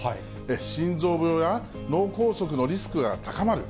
心臓病や脳梗塞のリスクが高まる。